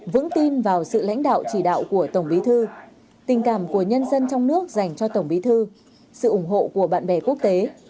vững tin vào sự lãnh đạo chỉ đạo của tổng bí thư tình cảm của nhân dân trong nước dành cho tổng bí thư sự ủng hộ của bạn bè quốc tế